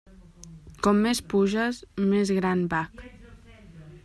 Com més puges, més gran bac.